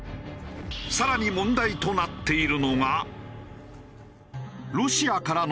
更に問題となっているのが。